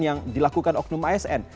yang dilakukan oknum asn